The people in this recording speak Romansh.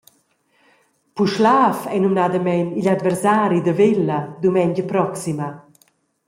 Puschlav ei numnadamein igl adversari da Vella dumengia proxima.